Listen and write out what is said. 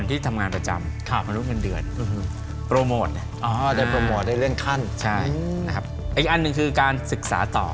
อีกอันหนึ่งคือการศึกษาต่อ